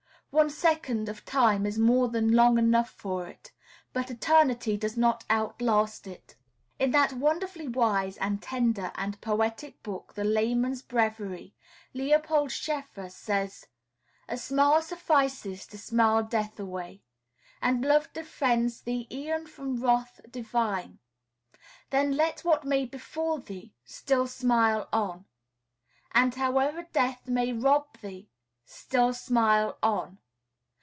One second of time is more than long enough for it; but eternity does not outlast it. In that wonderfully wise and tender and poetic book, the "Layman's Breviary," Leopold Schefer says, "A smile suffices to smile death away; And love defends thee e'en from wrath divine! Then let what may befall thee, still smile on! And howe'er Death may rob thee, still smile on!